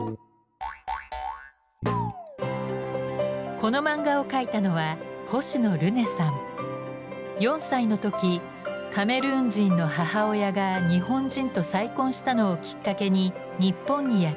この漫画を描いたのは４歳の時カメルーン人の母親が日本人と再婚したのをきっかけに日本にやって来ました。